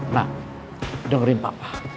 nah dengerin papa